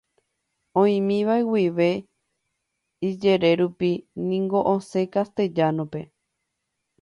Oĩmíva guive ijere rupi niko oñe'ẽ Castellano-pe.